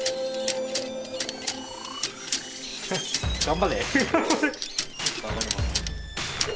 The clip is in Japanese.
頑張れ！